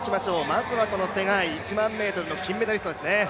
まずはツェガイ、１００００ｍの金メダリストですね。